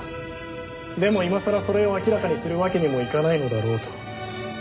でも今さらそれを明らかにするわけにもいかないのだろうと。